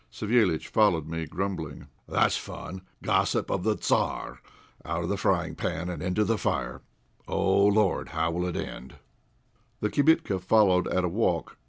Savéliitch followed me, grumbling "That's fun gossip of the Tzar! out of the frying pan into the fire! Oh, Lord! how will it all end?" The "kibitka" followed at a walk.